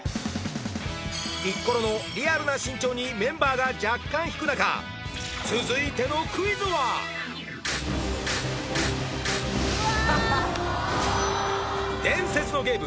ピッコロのリアルな身長にメンバーが若干引く中伝説のゲーム